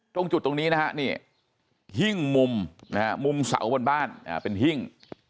ตรงจุดตรงนี้นะฮะนี่หิ้งมุมนะฮะมุมเสาบนบ้านเป็นหิ้ง